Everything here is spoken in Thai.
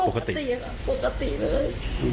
ปกติค่ะปกติเลย